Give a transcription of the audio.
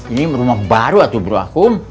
ini rumah baru itu bro akun